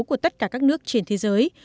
của tất cả các nước trên thế giới